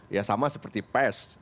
ya sama seperti pes